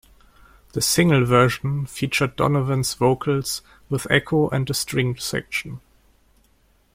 The single version featured Donovan's vocals with echo and a string section.